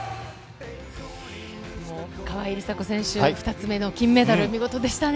川井梨紗子選手、２つ目の金メダル、見事でしたね。